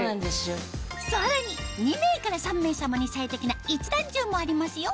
さらに２名から３名様に最適な一段重もありますよ